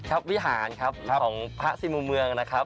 วิหารครับของพระสิมูเมืองนะครับ